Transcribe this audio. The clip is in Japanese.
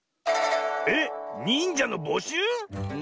えっ⁉にんじゃのぼしゅう？